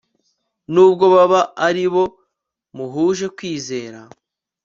nubwo baba ari abo muhuje kwizera